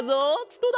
どうだ？